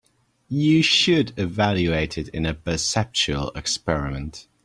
You should evaluate it in a perceptual experiment.